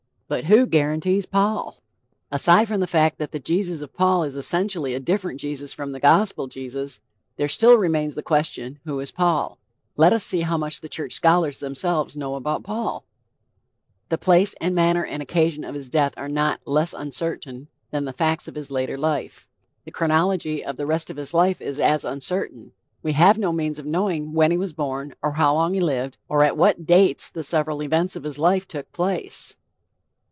But who guarantees Paul? Aside from the fact that the Jesus of Paul is essentially a different Jesus from the gospel Jesus there still remains the question, Who is Paul? Let us see how much the church scholars themselves know about Paul: "The place and manner and occasion of his death are not less uncertain than the facts of his later life...The chronology of the rest of his life is as uncertain...We have no means of knowing when he was born, or how long he lived, or at what dates the several events of his life took place."